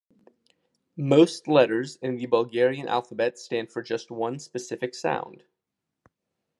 Most letters in the Bulgarian alphabet stand for just one specific sound.